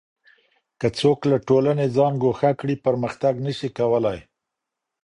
که څوک له ټولني ځان ګوښه کړي پرمختګ نه سي کولای.